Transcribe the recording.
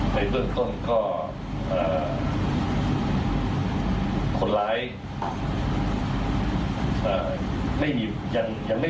ในเบื้องต้นก็คนร้ายยังไม่เห็นยานฐานะ